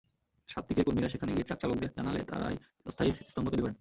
সাত্ত্বিকের কর্মীরা সেখানে গিয়ে ট্রাকচালকদের জানালে তাঁরাই অস্থায়ী স্মৃতিস্তম্ভ তৈরি করেন।